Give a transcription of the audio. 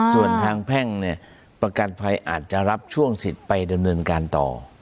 ส่วนทางแพ่งเนี่ยประกันภัยอาจจะรับช่วงสิทธิ์ไปดำเนินการต่อ